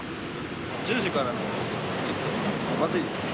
１０時からなんですけど、ちょっとまずいですね。